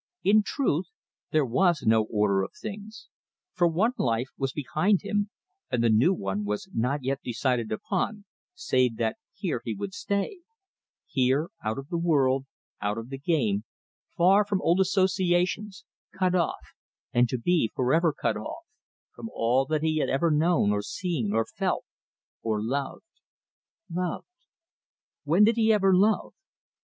In truth, there was no order of things; for one life was behind him and the new one was not yet decided upon, save that here he would stay here out of the world, out of the game, far from old associations, cut off, and to be for ever cut off, from all that he had ever known or seen or felt or loved!... Loved! When did he ever love?